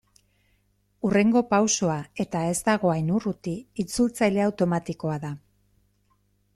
Hurrengo pausoa, eta ez dago hain urruti, itzultzaile automatikoa da.